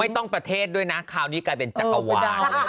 ต้องประเทศด้วยนะคราวนี้กลายเป็นจักรวาล